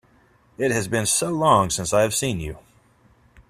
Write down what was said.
It has been so long since I have seen you!